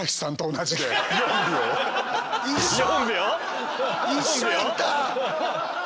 一緒！？